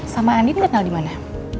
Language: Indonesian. sama andin kenal dimana